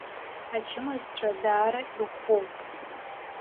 Ачымазцәа даара иӷәӷәоуп.